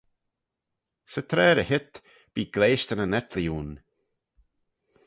Sy traa ry-heet bee gleashtanyn etlee ayn.